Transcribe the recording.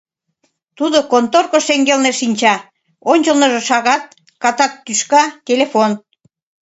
Тудо конторко шеҥгелне шинча, ончылныжо шагат, катат тӱшка, телефон.